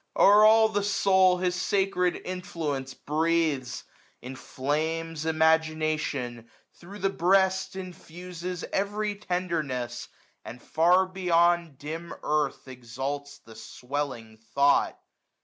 O'er all the soul his sacred influence breathes ! Inflames imagination ; thro' the breast Infuses every tenderness ; and far loio Beyond dim earth exalts the swelling thought.